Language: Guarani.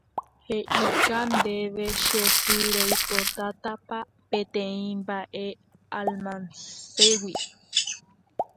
He'ika ndéve che sy reipotápa peteĩ mba'e almacéngui